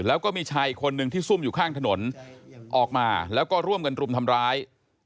แล้วก็มีชายอีกคนนึงที่ซุ่มอยู่ข้างถนนออกมาแล้วก็ร่วมกันรุมทำร้าย